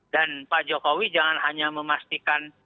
dan pak jokowi jangan hanya memastikan